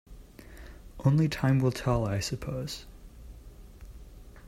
Only time will tell, I suppose.